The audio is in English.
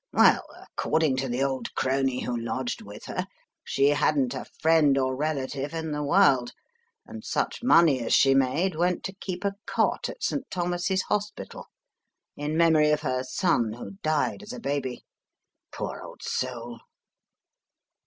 Well, according to the old crony who lodged with her, she hadn't a friend or relative in the world, and such money as she made went to keep a cot at St. Thomas's Hospital in memory of her son who died as a baby. Poor old soul.